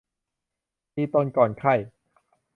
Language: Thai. ตีตนก่อนไข้